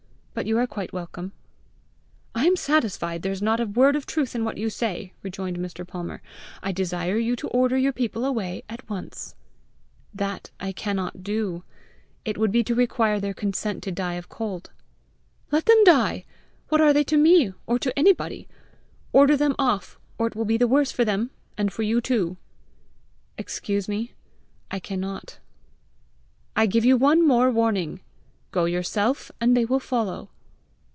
But you are quite welcome." "I am satisfied there is not a word of truth in what you say," rejoined Mr. Palmer. "I desire you to order your people away at once." "That I cannot do. It would be to require their consent to die of cold." "Let them die! What are they to me or to anybody! Order them off, or it will be the worse for them and for you too!" "Excuse me; I cannot." "I give you one more warning. Go yourself, and they will follow."